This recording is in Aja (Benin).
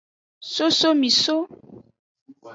Sosomiso.